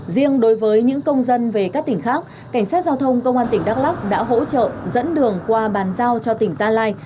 riêng đối với những công dân về các tỉnh khác cảnh sát giao thông công an tỉnh đắk lắc đã hỗ trợ dẫn đường qua bàn giao cho tỉnh gia lai